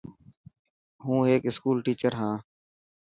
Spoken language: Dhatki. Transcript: هون هيڪ اسڪول ٽيڇر هان.